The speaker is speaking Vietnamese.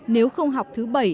nếu không học thứ bảy